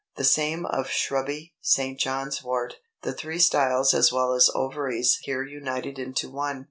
The same of shrubby St. John's wort; the three styles as well as ovaries here united into one.